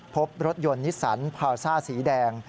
พบรถยนต์นิสสันพาซ่าสีแดง